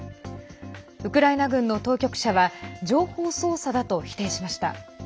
ウクライナ軍の当局者は情報操作だと否定しました。